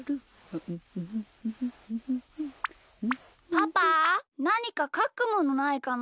パパなにかかくものないかな？